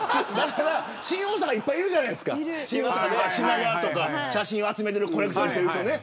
新大阪にいっぱいいるじゃない品川とか写真を集めてるコレクションしてる人ね。